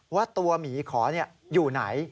ว่าตัวหมีขออยู่ไหน